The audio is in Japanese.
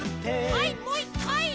はいもう１かい！